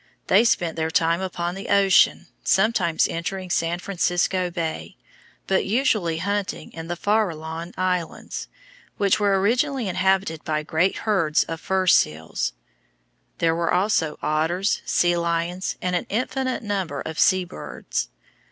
They spent their time upon the ocean, sometimes entering San Francisco Bay, but usually hunting in the region of the Farralone Islands, which were originally inhabited by great herds of fur seal. There were also otters, sea lions, and an infinite number of seabirds.